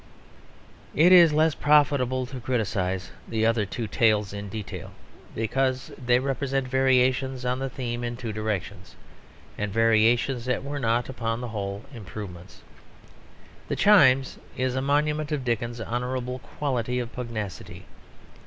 It is less profitable to criticise the other two tales in detail because they represent variations on the theme in two directions; and variations that were not, upon the whole, improvements. The Chimes is a monument of Dickens's honourable quality of pugnacity.